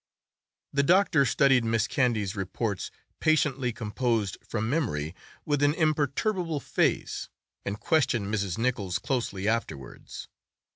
The doctor studied Miss Candy's reports—patently composed from memory—with an imperturbable face, and questioned Mrs. Nichols closely afterwards.